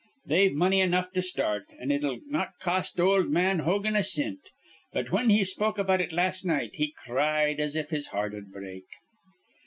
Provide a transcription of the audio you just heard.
They've money enough to start, an' it'll not cost ol' ma an Hogan a cint. But, whin he spoke about it las' night, he cried as if his heart'd break."